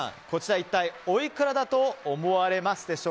こちら、一体おいくらだと思われますか？